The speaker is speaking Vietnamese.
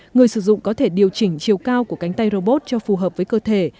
người sử dụng có thể điều chỉnh chiều cao của cánh tay robot cho phù hợp với cơ thể